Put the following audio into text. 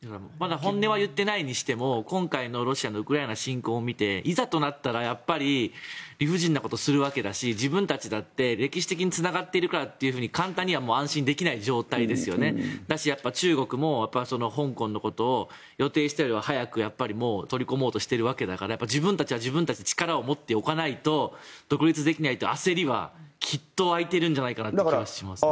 本音は言っていないにしても今回のウクライナ侵攻を見ていざとなったらやっぱり理不尽なことをするわけだし自分たちだって歴史的につながっているからって簡単には安心できない状態だし中国も香港のことを予定していたよりも早く取り込もうとしているわけだから自分たちは自分たちで力を持っておかないと独立できないという焦りはきっと湧いてるんじゃないかなという気がします。